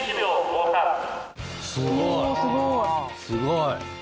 おすごい。